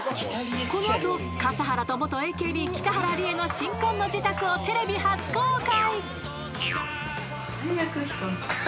［この後笠原と元ＡＫＢ北原里英の新婚の自宅をテレビ初公開］